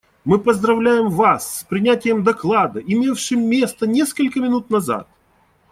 Мы поздравляем Вас с принятием доклада, имевшим место несколько минут назад.